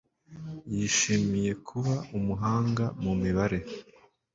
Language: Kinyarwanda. Yishimiye kuba umuhanga mu mibare.